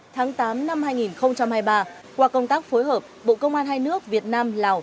tháng tám năm hai nghìn hai mươi ba qua công tác phối hợp bộ công an hai nước việt nam lào